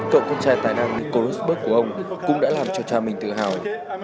cậu con trai tài năng nico rosberg của ông cũng đã làm cho cha mình tự hào